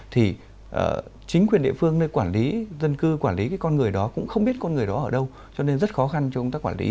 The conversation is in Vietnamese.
thì chính quyền địa phương nơi quản lý dân cư quản lý con người đó cũng không biết con người đó ở đâu cho nên rất khó khăn cho công tác quản lý